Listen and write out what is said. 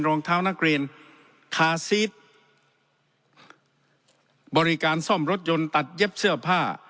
รองเท้านักเรียนคาซีสบริการซ่อมรถยนต์ตัดเย็บเสื้อผ้า